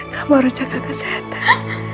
kamu harus cakap kesehatan